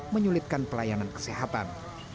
menyulitkan pelayanan kesehatan